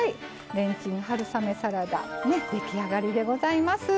レンチン春雨サラダ出来上がりでございます。